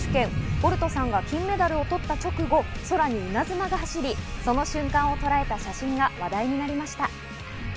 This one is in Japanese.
ボルトさんが金メダルを取った直後、空に稲妻が走り、その瞬間をとらえた写真が話題になりました。